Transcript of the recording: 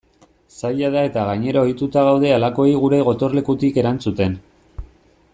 Zaila da eta gainera ohituta gaude halakoei gure gotorlekutik erantzuten.